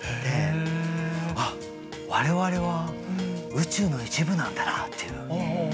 あっ我々は宇宙の一部なんだなっていう。